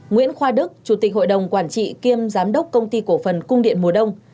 nguyễn khoa đức chủ tịch hội đồng quản trị kiêm giám đốc công ty cổ phần cung điện mùa đông